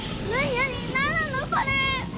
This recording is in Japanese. なんなのこれ！？